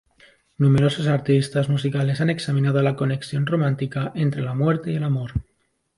Numerosos artistas musicales han examinado la conexión romántica entre la muerte y el amor.